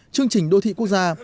chương trình đô thị quốc gia